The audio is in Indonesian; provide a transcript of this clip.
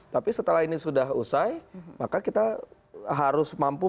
tapi setelah ini sudah usai maka kita harus mampu